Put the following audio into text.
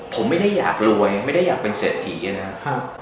ผมไม่ได้อยากรวยไม่ได้อยากเป็นเศรษฐีนะครับ